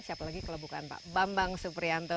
siapa lagi kalau bukan pak bambang suprianto